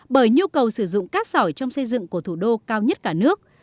bởi nhu cầu sử dụng cát sỏi trong xây dựng của thủ đô cao nhất cả nước